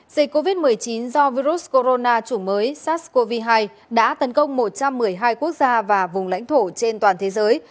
dịch covid một mươi chín do virus corona chủng mới sars cov hai đã tấn công một trăm một mươi hai quốc gia và vùng lãnh thổ trên toàn thế giới